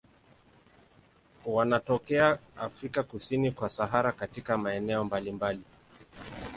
Wanatokea Afrika kusini kwa Sahara katika maeneo mbalimbali.